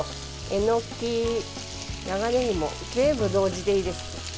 えのき、長ねぎも全部同時でいいです。